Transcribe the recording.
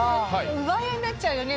奪い合いになっちゃうよね